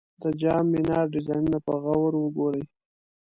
د جام منار ډیزاینونه په غور وګورئ.